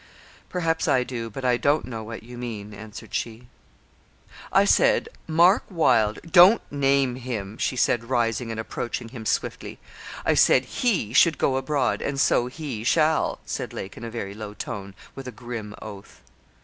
'Perhaps I do, but I don't know what you mean,' answered she. 'I said, Mark Wylder ' 'Don't name him,' she said, rising and approaching him swiftly. 'I said he should go abroad, and so he shall,' said Lake, in a very low tone, with a grim oath.